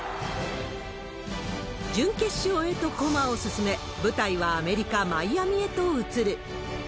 準決勝へと駒を進め、舞台はアメリカ・マイアミへと移る。